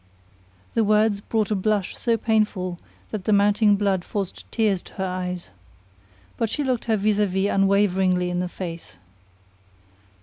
'" The words brought a blush so painful that the mounting blood forced tears to her eyes. But she looked her vis à vis unwaveringly in the face.